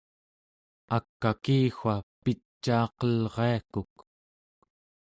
ak'akika-wa picaaqelriakuk